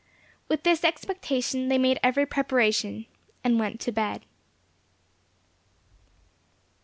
With this expectation they made every preparation, and went to bed.